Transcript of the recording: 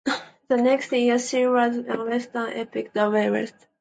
The next year she was in the Western epic "The Way West".